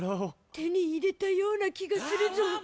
手に入れたような気がするゾ。